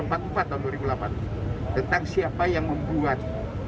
empat empat tahun dua ribu delapan tentang siapa yang membuat